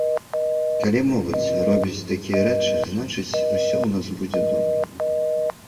Калі моладзь робіць такія рэчы, значыць, усё ў нас будзе добра.